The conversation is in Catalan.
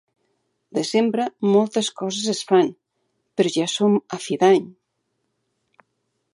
Desembre, moltes coses es fan, però ja som a fi d'any.